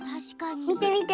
みてみて！